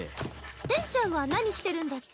テンちゃんは何してるんだっちゃ？